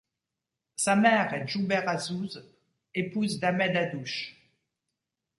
Sa mère est Djouber Azzouz, épouse d'Ahmed Haddouche.